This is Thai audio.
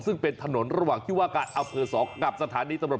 ซึ่งเป็นถนนระหว่างที่วากาดอาเฟิร์สองกับสถานีสำหรับ